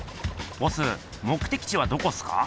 ボス目的地はどこっすか？